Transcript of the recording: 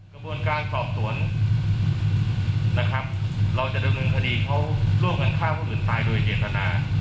กระบวนการสอบสวนนะครับเราจะดำเนินคดีเขาร่วมกันฆ่าผู้อื่นตายโดยเจตนา